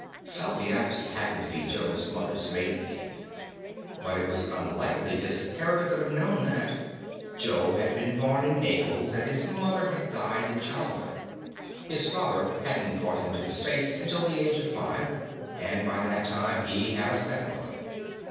Salviati happened to be Joe's mother's maiden name. But it was unlikely this character could have known that. Joe had been born in Naples and his mother had died in childbirth. His father hadn't brought him to the States until the age of five and by that time he had a stepmother.